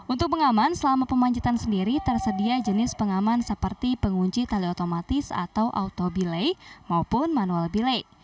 untuk pengaman selama pemancitan sendiri tersedia jenis pengaman seperti pengunci tali otomatis atau auto belay maupun manual belay